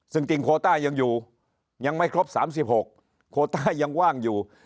ซึ่งจริงโคต้ายังอยู่ยังไม่ครบ๓๖โคต้ายังว่างอยู่